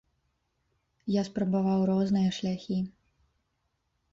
Я спрабаваў розныя шляхі.